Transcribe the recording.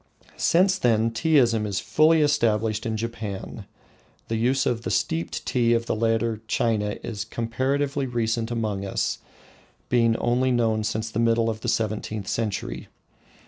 Since then Teaism is fully established in Japan. The use of the steeped tea of the later China is comparatively recent among us, being only known since the middle of the seventeenth century.